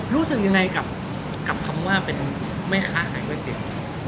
รู้สึกยังไงกับคำว่าเป็นแม่ค้าขายก๋วยเตี๋ยว